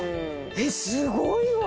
えっすごいわ。